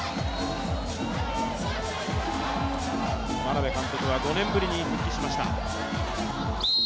眞鍋監督は５年ぶりに復帰しました。